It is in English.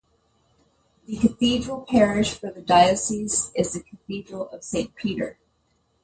The cathedral parish for the diocese is the Cathedral of Saint Peter.